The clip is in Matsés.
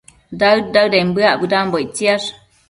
daëd-daëden bëac bedambo ictsiash